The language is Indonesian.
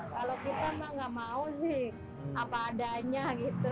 kalau kita mah gak mau sih apa adanya gitu